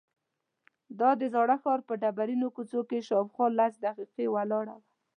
دا د زاړه ښار په ډبرینو کوڅو کې شاوخوا لس دقیقې لاره وه.